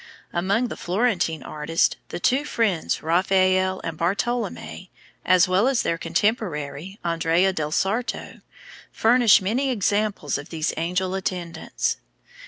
Among the Florentine artists, the two friends Raphael and Bartolommeo, as well as their contemporary, Andrea del Sarto, furnish many examples of these angel attendants.